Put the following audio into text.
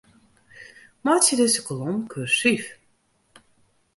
Meitsje dizze kolom kursyf.